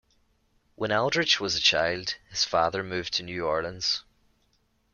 When Aldrich was a child, his father moved to New Orleans.